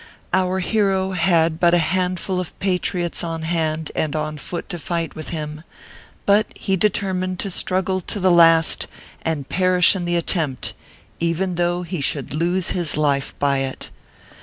Our hero had but a handful of patriots on hand and on foot to fight with him ; but he determined to struggle to the last and perish in the attempt, even though he should lose his life by it.